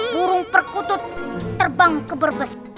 burung perkutut terbang ke berbes